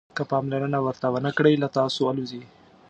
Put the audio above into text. که پاملرنه ورته ونه کړئ له تاسو الوزي.